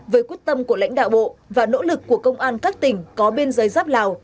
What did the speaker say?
với quyết tâm của lãnh đạo bộ và nỗ lực của công an các tỉnh có biên giới giáp lào